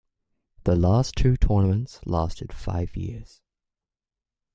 The last two tournaments lasted five years.